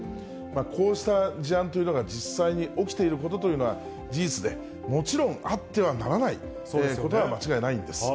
こうした事案というのが実際に起きていることというのは事実で、もちろんあってはならないことは間違いないんです。